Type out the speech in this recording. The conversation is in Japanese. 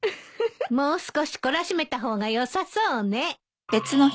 もう少し懲らしめた方がよさそうね。